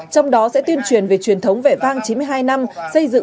trong đó sẽ tuyên truyền về truyền thống vẻ vang chín mươi hai năm